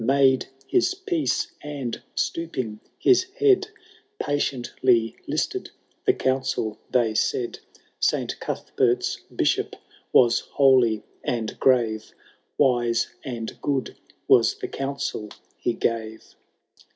Made his peace, and, stooping his head, Patiently listed the counsel they said : Saint Cuthbert's Bishop was holy and grave. Wise and good was the counsel he gave.